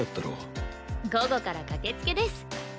午後から駆けつけです。